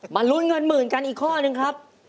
ลุ้นเงินหมื่นกันอีกข้อนึงครับ